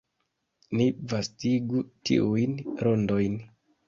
Ni vastigu tiujn rondojn.